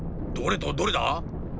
どれとどれだ？